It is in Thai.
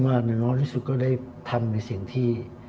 น้อยที่สุดก็ได้ทำในสิ่งที่